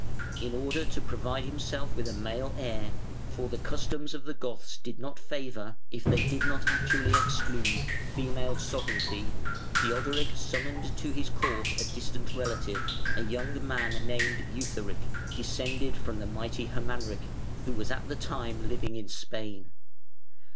In order to provide himself with a male heir (for the customs of the Goths did not favour, if they did not actually exclude, female sovereignty), Theodoric summoned to his court a distant relative, a young man named Eutharic, descended from the mighty Hermanric, who was at the time living in Spain.